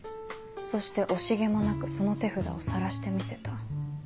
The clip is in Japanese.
そして惜しげもなくその手札を晒してみせた。